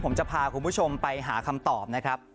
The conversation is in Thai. ผมจะพาคุณผู้ชมไปหาคำตอบนะครับ